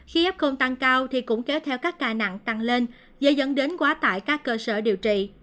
khi f cơn tăng cao thì cũng kéo theo các ca nặng tăng lên dễ dẫn đến quá tải các cơ sở điều trị